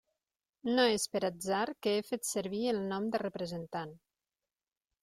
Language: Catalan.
No és per atzar que he fet servir el nom de representant.